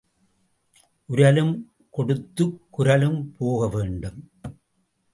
உரலும் கொடுத்துக் குரலும் போக வேண்டும்.